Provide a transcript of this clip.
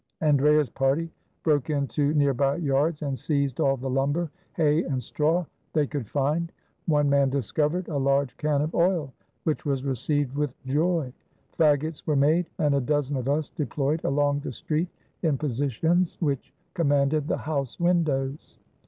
Andrea's party broke into near by yards, and seized all the lumber, hay, and straw they could find. One man discovered a large can of oil, which was received with joy. Fagots were made, and a dozen of us deployed along the street in positions which commanded the house windows.